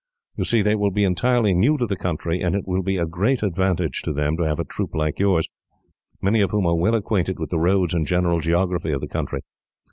You see, they will be entirely new to the country, and it will be a great advantage to them to have a troop like yours, many of whom are well acquainted with the roads and general geography of the country.